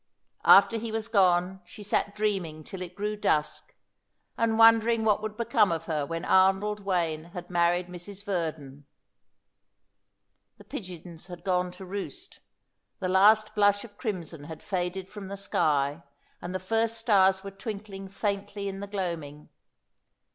After he was gone she sat dreaming till it grew dusk, and wondering what would become of her when Arnold Wayne had married Mrs. Verdon. The pigeons had gone to roost, the last blush of crimson had faded from the sky, and the first stars were twinkling faintly in the gloaming.